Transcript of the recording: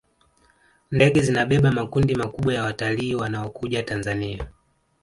ndege zinabeba makundi makubwa ya watalii wanaokuja tanzania